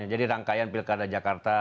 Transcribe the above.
jadi rangkaian pilkada jakarta